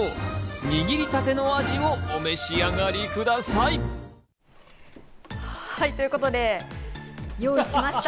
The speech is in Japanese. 握りたての味をお召し上がりください。ということで、用意しました。